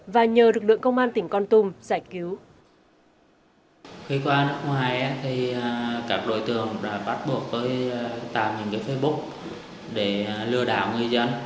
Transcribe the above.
và nhờ lực lượng công an tỉnh con tum giải cứu